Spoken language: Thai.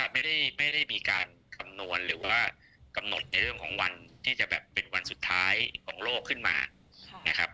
ไม่ได้มีการคำนวณหรือว่ากำหนดในเรื่องของวันที่จะแบบเป็นวันสุดท้ายของโลกขึ้นมานะครับ